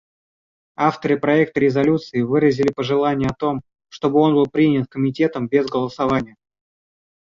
Авторы проекта резолюции выразили пожелание о том, чтобы он был принят Комитетом без голосования.